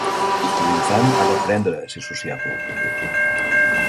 L'infant ha d'aprendre a ser sociable.